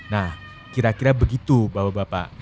nah kira kira begitu bapak bapak